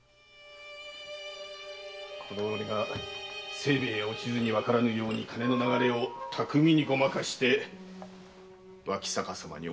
この俺が清兵衛やお千津にわからぬように金の流れを巧みにごまかして脇坂様にお渡ししていたのだ。